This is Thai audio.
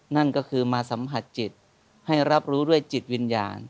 นั่นก็คือมาสัมผัสจิตให้รับรู้ด้วยจิตวิญญาณ